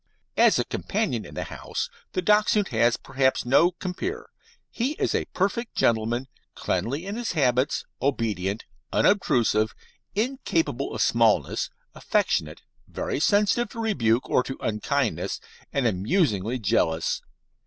As a companion in the house the Dachshund has perhaps no compeer. He is a perfect gentleman; cleanly in his habits, obedient, unobtrusive, incapable of smallness, affectionate, very sensitive to rebuke or to unkindness, and amusingly jealous.